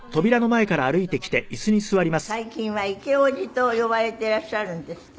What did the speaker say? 最近はイケおじと呼ばれていらっしゃるんですって？